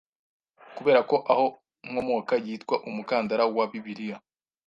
Kuberako aho nkomoka yitwa Umukandara wa Bibiliya